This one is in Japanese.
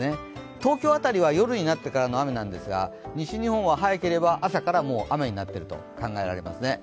東京あたりは夜になってからの雨なんですが、西日本は早ければ朝から雨になっていると考えられますね。